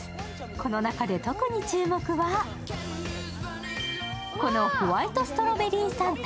この中で特に注目は、このホワイトストロベリーサンタ。